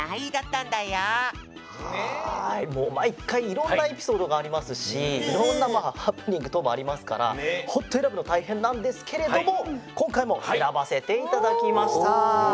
いろんなエピソードがありますしいろんなハプニングとうもありますからホント選ぶのたいへんなんですけれどもこんかいも選ばせていただきました。